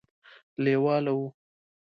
لېواله وو.